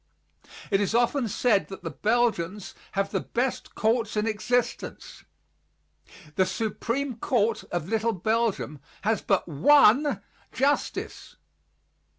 It is often said that the Belgians have the best courts in existence. The Supreme Court of Little Belgium has but one Justice.